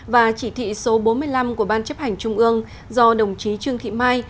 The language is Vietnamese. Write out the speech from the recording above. và chỉ thị số bốn mươi năm của ban chấp hành trung ương do đồng chí trương thị mai